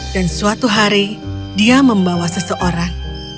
dan suatu hari dia membawa seseorang